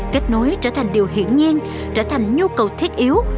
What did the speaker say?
kết nối trở thành điều hiển nhiên trở thành nhu cầu thiết yếu